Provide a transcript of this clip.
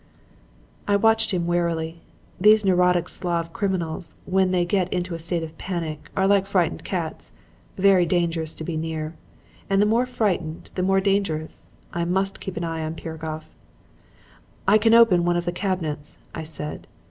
"I watched him warily. These neurotic Slav criminals, when they get into a state of panic, are like frightened cats; very dangerous to be near. And the more frightened, the more dangerous. I must keep an eye on Piragoff. "'I can open one of the cabinets,' I said.